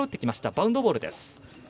バウンドボールです。